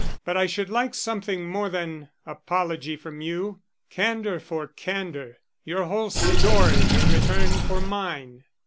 But I should like something more than apology from you. Candor for candor; your whole story in return for mine."